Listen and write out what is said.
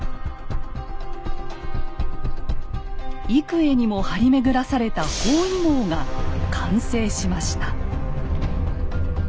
幾重にも張り巡らされた包囲網が完成しました。